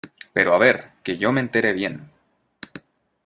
pero a ver, que yo me entere bien.